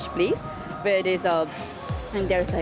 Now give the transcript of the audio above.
di mana ada sejarah juga yang bisa kita pelajari